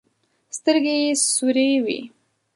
سترګې يې سورې وې.